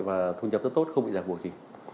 và thu nhập rất tốt không bị giảm bổ gì